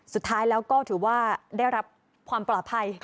สุดท้ายแล้วก็ถือว่าได้รับความปลอดภัย